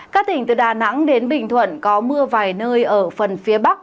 các tỉnh từ đà nẵng đến bình thuận có mưa vài nơi ở phần phía bắc